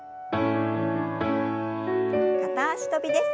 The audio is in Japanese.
片脚跳びです。